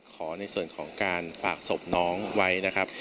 ขอในส่วนของการฝากศพน้องไว้นะครับ